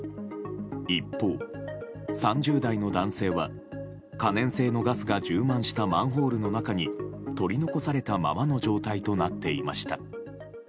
一方、３０代の男性は可燃性のガスが充満したマンホールの中に取り残されたままの状態になっていました。